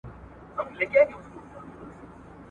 امنیتي تړونونو د هیواد دفاع پیاوړي کړې وه.